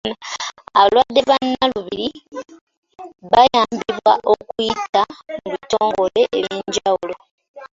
Abalwadde ba nnalubiri bayambibwa okuyita mu bitongole ebyenjawulo.